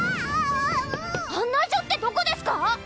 案内所ってどこですか